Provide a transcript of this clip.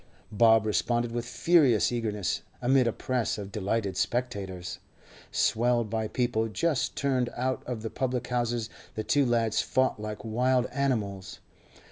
Bob responded with furious eagerness; amid a press of delighted spectators, swelled by people just turned out of the public houses, the two lads fought like wild animals.